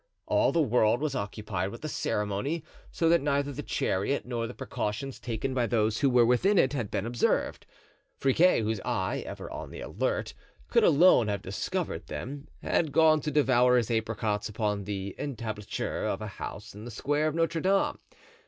All the world was occupied with the ceremony, so that neither the chariot nor the precautions taken by those who were within it had been observed. Friquet, whose eye, ever on the alert, could alone have discovered them, had gone to devour his apricots upon the entablature of a house in the square of Notre Dame.